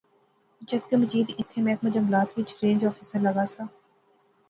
جد کہ مجید ایتھیں محکمہ جنگلات وچ رینج آفیسر لاغا سا